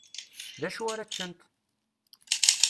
Dacu ara ččent?